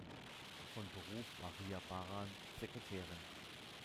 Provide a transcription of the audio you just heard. Von Beruf war Ria Baran Sekretärin.